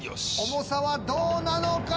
重さはどうなのか？